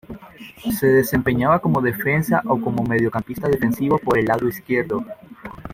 Se desempeñaba como defensa o como mediocampista defensivo por el lado izquierdo.